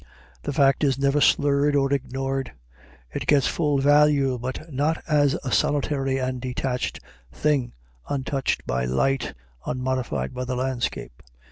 The fact is never slurred or ignored; it gets full value, but not as a solitary and detached thing untouched by light, unmodified by the landscape.